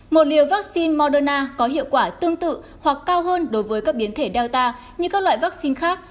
một liều vaccine moderna có hiệu quả tương tự hoặc cao hơn đối với các biến thể data như các loại vaccine khác